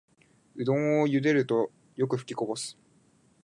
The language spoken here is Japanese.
うどんをゆでるとよくふきこぼす